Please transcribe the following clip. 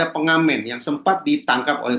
pengamen yang sempat ditangkap oleh